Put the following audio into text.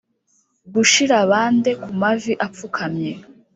gushira bande kumavi apfukamye,